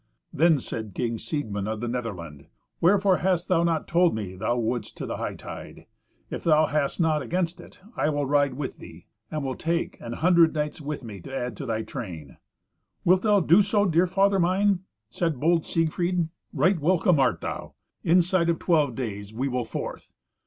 Then said King Siegmund of the Netherland, "Wherefore has thou not told me thou wouldest to the hightide? If thou hast naught against it, I will ride with thee, and will take an hundred knights with me to add to thy train." "Wilt thou do so, dear father mine?" said bold Siegfried. "Right welcome art thou. Inside of twelve days we will forth."